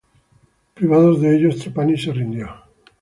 Privados de ellos, Trapani se rindió.